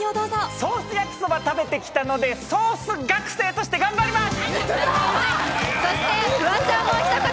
ソース焼きそば食べてきたので、ソース学生として頑張ります！